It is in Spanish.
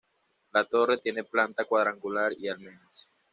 La Torre tiene planta cuadrangular y almenas.